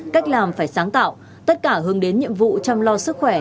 cách làm phải sáng tạo tất cả hướng đến nhiệm vụ chăm lo sức khỏe